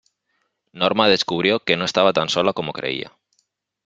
Norma descubrió que no estaba tan sola como creía.